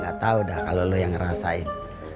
gatau dah kalo lu yang ngerasain